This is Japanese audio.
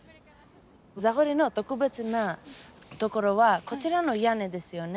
ザゴリの特別なところはこちらの屋根ですよね。